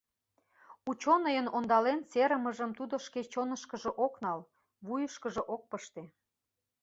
Учёныйын ондален серымыжым тудо шке чонышкыжо ок нал, вуйышкыжо ок пыште.